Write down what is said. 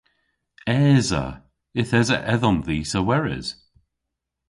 Esa. Yth esa edhom dhis a weres.